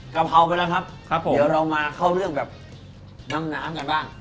กะเพราไปแล้วครับครับผมเดี๋ยวเรามาเข้าเรื่องแบบน้ำน้ำกันบ้าง